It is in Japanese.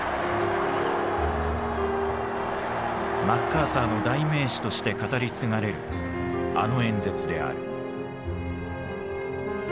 マッカーサーの代名詞として語り継がれるあの演説である。